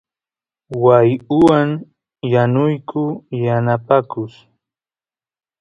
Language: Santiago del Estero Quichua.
waaywan yanuyku yanapakus